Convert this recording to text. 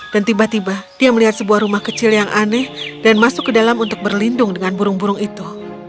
dan tiba tiba dia melihat sebuah rumah kecil yang aneh dan masuk ke dalam untuk berlindung dengan burung burung itu